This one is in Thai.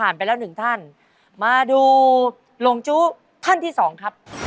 มาดูโรงชูท่านที่๒ครับ